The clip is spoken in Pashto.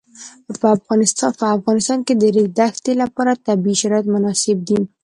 په افغانستان کې د د ریګ دښتې لپاره طبیعي شرایط مناسب دي.